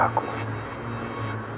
aku tidak mau lakuin ini